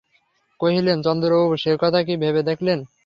কহিলেন, চন্দ্রবাবু, সে কথাটা কি ভেবে দেখলেন?